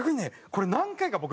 これ何回か僕